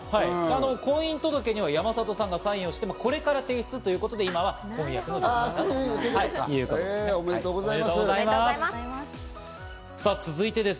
婚姻届には山里さんがサインをしてこれから提出ということで、今婚約ということです。